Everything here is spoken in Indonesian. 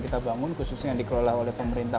kita bangun khususnya yang dikelola oleh pemerintah